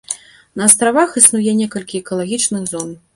На астравах існуе некалькі экалагічных зон.